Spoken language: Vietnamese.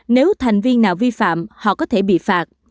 nếu thành viên nào vi phạm họ có thể bị phạt